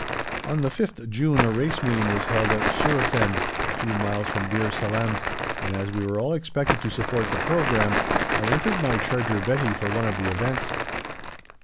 On the 5th June a Race Meeting was held at Surafend, a few miles from Bir Salem, and as we were all expected to support the programme, I entered my charger Betty for one of the events.